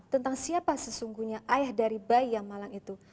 tentang siapa sesungguhnya ayah dari bayi yang malang itu